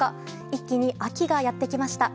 一気に秋がやってきました。